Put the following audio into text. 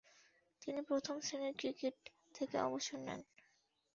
তিনি প্রথম-শ্রেণীর ক্রিকেট থেকে অবসর নেন।